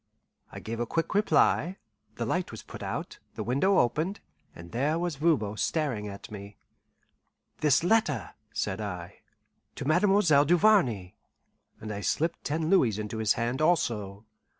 I gave a quick reply; the light was put out, the window opened, and there was Voban staring at me. "This letter," said I, "to Mademoiselle Duvarney," and I slipped ten louis into his hand, also.